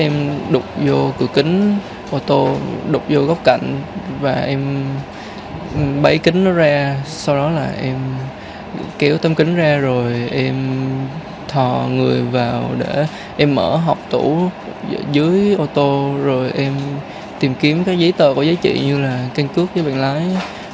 em đục vô cửa kính ô tô đục vô góc cạnh và em bấy kính nó ra sau đó là em kéo tấm kính ra rồi em thò người vào để em mở hộp tủ dưới ô tô rồi em tìm kiếm các giấy tờ có giá trị như là kênh cước với bàn lái